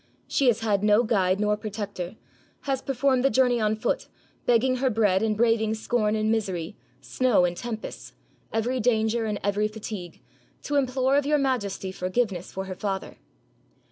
She has had no guide nor protector, has performed the journey on foot, begging her bread, and braving scorn and misery, snow and tempests, every danger and every fatigue, to implore of Your Majesty forgiveness for her father."